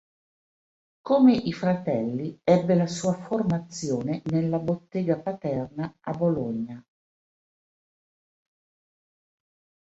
Come i fratelli ebbe la sua formazione nella bottega paterna a Bologna.